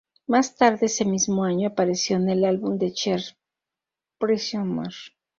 Más tarde ese mismo año, apareció en el álbum de Cher "Prisoner".